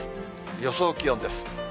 予想気温です。